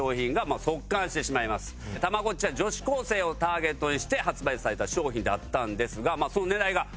たまごっちは女子高生をターゲットにして発売された商品だったんですが。